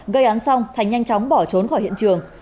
gây án xong thành nhanh chóng bỏ trốn khỏi hiện trường